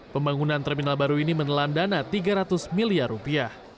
pembangunan terminal baru ini menelan dana tiga ratus miliar rupiah